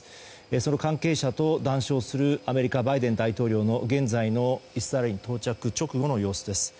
その関係者と談笑するアメリカ、バイデン大統領の現在のイスラエル到着直後の様子です。